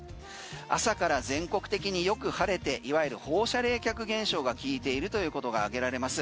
朝から全国的によく晴れていわゆる放射冷却現象がきいているということが挙げられます。